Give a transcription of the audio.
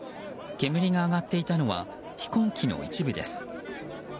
煙が上がっていたのは飛行機の一部です。